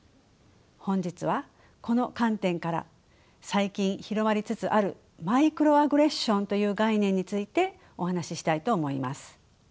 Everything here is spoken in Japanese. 本日はこの観点から最近広まりつつあるマイクロアグレッションという概念についてお話ししたいと思います。